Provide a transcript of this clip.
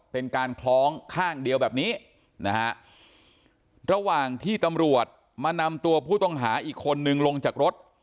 เป็นการคล้องข้างเดียวแบบนี้นะฮะระหว่างที่ตำรวจมานำตัวผู้ต้องหาอีกคนนึงลงจากรถ